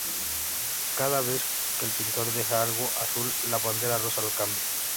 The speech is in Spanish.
Cada vez que el pintor deja algo azul, la Pantera Rosa lo cambia.